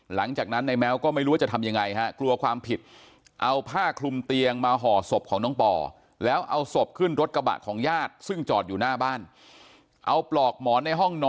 หลังจากนั้นในแม้วก็ไม่รู้ว่าจะทำังไงค่ะ